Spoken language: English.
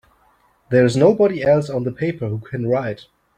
There's nobody else on the paper who can write!